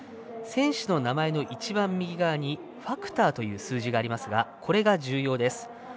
選手の名前の一番右側にファクターという数字がありますがこれが重要です。